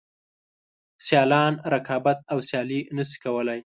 سیالان رقابت او سیالي نشي کولای.